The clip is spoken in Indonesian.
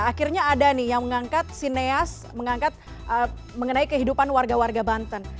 akhirnya ada nih yang mengangkat sineas mengangkat mengenai kehidupan warga warga banten